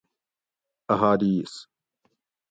احادیث